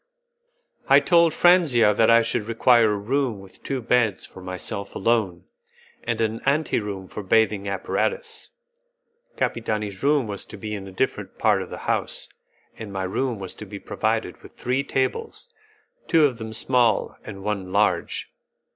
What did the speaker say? I told Franzia that I should require a room with two beds for myself alone, and an ante room with bathing apparatus. Capitani's room was to be in a different part of the house, and my room was to be provided with three tables, two of them small and one large.